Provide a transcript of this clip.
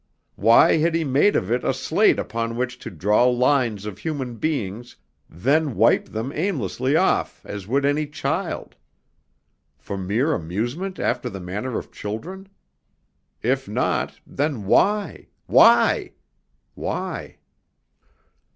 Why had He made of it a slate upon which to draw lines of human beings, then wipe them aimlessly off as would any child? For mere amusement after the manner of children? If not, then why? Why? Why?